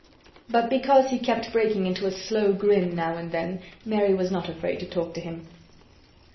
But because he kept breaking into a slow grin now and then, Mary was not afraid to talk to him.